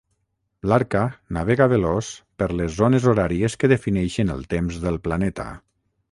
L'Arca navega veloç per les zones horàries que defineixen el temps del planeta.